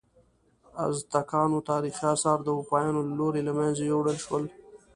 ازتکانو تاریخي آثار د اروپایانو له لوري له منځه یوړل شول.